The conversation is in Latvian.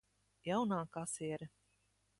Jaunā kasiere.